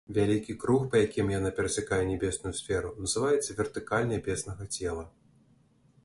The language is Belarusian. Вялікі круг, па якім яна перасякае нябесную сферу, называецца вертыкаль нябеснага цела.